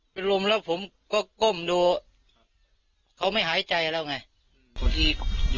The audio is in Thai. เป็นลมแล้วผมก็ก้มดูเขาไม่หายใจแล้วไง